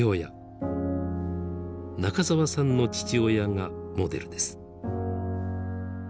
中沢さんの父親がモデルです。